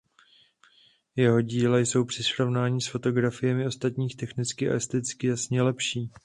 Jeho díla jsou při srovnání s fotografiemi ostatních technicky a esteticky jasně lepší.